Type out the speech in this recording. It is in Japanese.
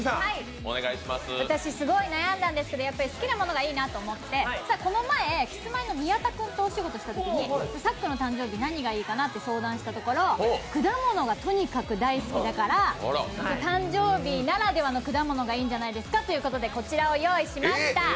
私、すごく悩んだんですけど好きなものがいいなと思ってこの前、キスマイの宮田君とお仕事したときにさっくんの誕生日何がいいか相談したところ果物がとにかく大好きだから、誕生日ならではの果物がいいんじゃないですかということで、こちらを用意しました。